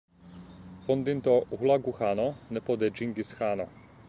Fondinto Hulagu-Ĥano, nepo de Ĝingis-Ĥano.